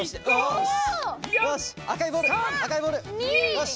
よし！